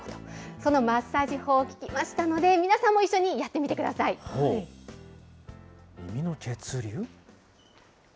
そのマッサージ法を聞きましたので、皆さんも一緒にやってみてく耳の血流？